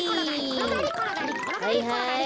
ころがりころがりころがり。